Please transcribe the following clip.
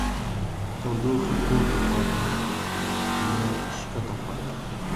تودوخه پورته خواته حرکت کوي نه ښکته خواته.